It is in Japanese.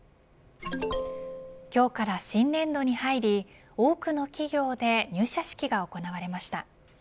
今日から新年度に入り多くの企業で入社式が行われました。